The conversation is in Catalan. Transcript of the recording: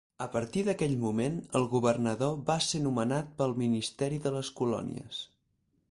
A partir d'aquell moment, el Governador va ser nomenat pel Ministeri de les Colònies.